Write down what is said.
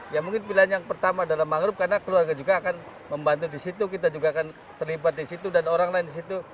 ya mungkin pilihan yang pertama adalah mangrove karena keluarga juga akan membantu di situ kita juga akan terlibat di situ dan orang lain di situ